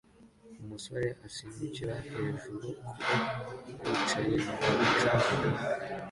Umusore asimbukira hejuru kuri yicaye kumu canga